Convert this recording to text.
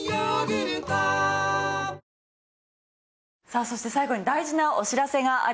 さあそして最後に大事なお知らせがあります。